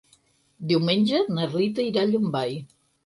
Diumenge na Rita irà a Llombai.